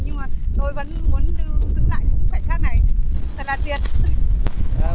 nhưng mà tôi vẫn muốn giữ lại những khảnh khắc này thật là tuyệt